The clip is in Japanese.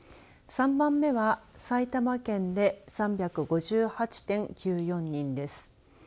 ３番目は埼玉県で３５８．９４人です。